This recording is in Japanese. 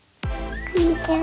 こんにちは。